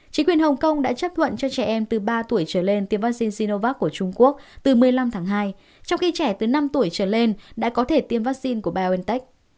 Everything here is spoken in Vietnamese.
chính quyền hồng kông đã chấp thuận cho trẻ em từ ba tuổi trở lên tiêm vaccine zinovac của trung quốc từ một mươi năm tháng hai trong khi trẻ từ năm tuổi trở lên đã có thể tiêm vaccine của biontech